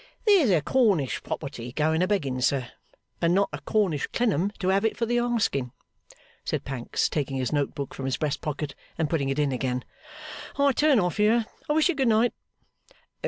'There's a Cornish property going a begging, sir, and not a Cornish Clennam to have it for the asking,' said Pancks, taking his note book from his breast pocket and putting it in again. 'I turn off here. I wish you good night.